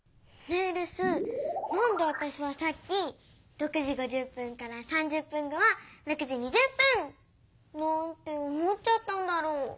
レスなんでわたしはさっき６時５０分から３０分後は６時２０分！なんて思っちゃったんだろう？